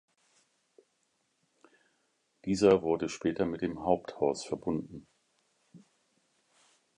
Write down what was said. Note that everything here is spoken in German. Dieser wurde später mit dem Haupthaus verbunden.